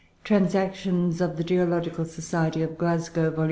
Transactions of the Geological Society of Glasgow, vol.